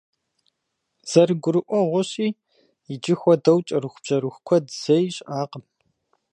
Зэрыгурыӏуэгъуэщи, иджы хуэдэу кӏэрыхубжьэрыху куэд зэи щыӏакъым.